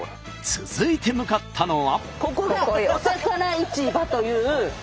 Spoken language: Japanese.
続いて向かったのは。